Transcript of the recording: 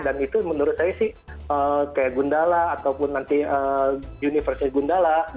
dan itu menurut saya sih kayak gundala ataupun nanti universe nya gundala